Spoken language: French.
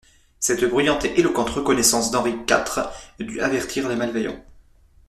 Cette bruyante et éloquente reconnaissance d'Henri quatre dut avertir les malveillants.